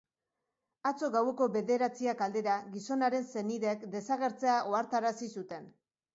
Atzo gaueko bederatziak aldera, gizonaren senideek desagertzea ohartarazi zuten.